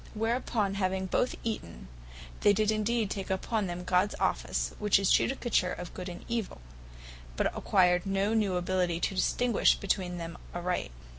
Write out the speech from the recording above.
Whereupon having both eaten, they did indeed take upon them Gods office, which is Judicature of Good and Evill; but acquired no new ability to distinguish between them aright.